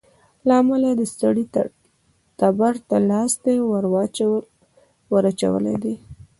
له امله د سړي تبر ته لاستى وراچولى دى.